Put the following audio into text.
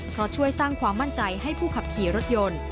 เพราะช่วยสร้างความมั่นใจให้ผู้ขับขี่รถยนต์